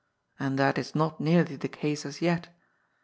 And that is not nearly the case as yet.